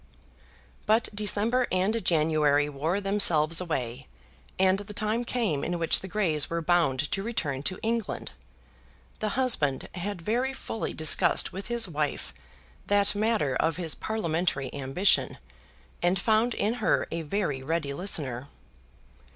But December and January wore themselves away, and the time came in which the Greys were bound to return to England. The husband had very fully discussed with his wife that matter of his parliamentary ambition, and found in her a very ready listener.